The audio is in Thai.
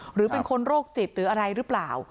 หรือเป็นคนโรคจิตหรืออะไรหรือเปล่า